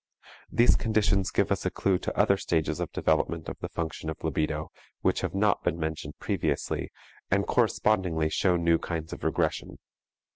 These conditions give us a clue to other stages of development of the function of libido, which have not been mentioned previously, and correspondingly show new kinds of regression.